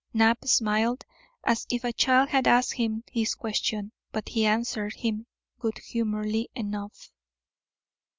Knapp smiled as if a child had asked him this question; but he answered him good humouredly enough.